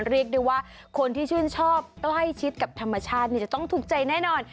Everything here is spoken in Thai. เรียกได้ว่าคนที่ชื่นชอบใกล้ชิดกับธรรมชาติจะต้องถูกใจแน่นอน